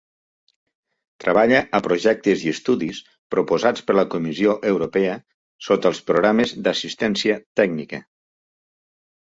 Treballa a projectes i estudis proposats per la Comissió Europea sota els programes d'assistència tècnica.